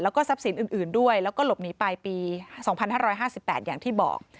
แล้วก็ทรัพย์สินอื่นด้วยแล้วก็หลบหนีไปปี๒๕๕๘อย่างที่บอก